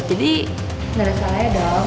jadi gak ada salahnya dong